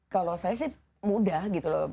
kalau saya sih mudah gitu loh